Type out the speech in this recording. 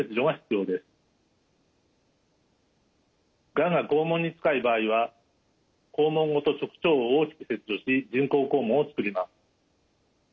がんが肛門に近い場合は肛門ごと直腸を大きく切除し人工肛門をつくります。